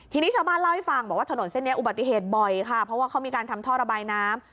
ทีนี้ชาวบ้านเล่าให้ฟังบอกว่าถนนเส้นนี้อุบัติเหตุบ่อยค่ะเพราะว่าเขามีการทำท่อระบายน้ำ